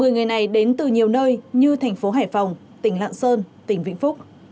một mươi người này đến từ nhiều nơi như thành phố hải phòng tỉnh lạng sơn tỉnh vĩnh phúc